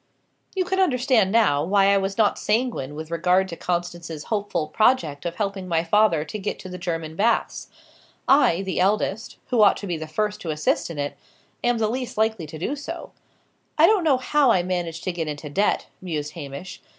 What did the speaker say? You can understand now, why I was not sanguine with regard to Constance's hopeful project of helping my father to get to the German baths. I, the eldest, who ought to be the first to assist in it, am the least likely to do so. I don't know how I managed to get into debt," mused Hamish.